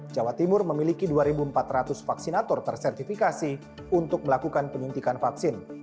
jawa timur memiliki dua empat ratus vaksinator tersertifikasi untuk melakukan penyuntikan vaksin